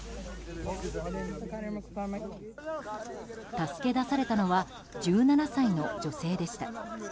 助け出されたのは１７歳の女性でした。